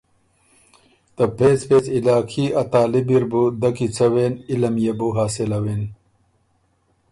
ته پېڅ پېڅ علاقي ا طالِبی ر بُو دۀ کی څوېن علُم يې بو حاصلوِن۔